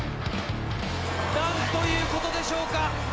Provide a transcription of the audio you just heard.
なんということでしょうか。